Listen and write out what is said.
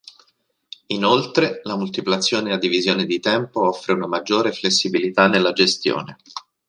Inoltre la multiplazione a divisione di tempo offre una maggiore flessibilità nella gestione.